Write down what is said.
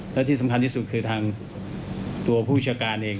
และที่สำคัญที่สุดคือทางตัวผู้จัดการเอง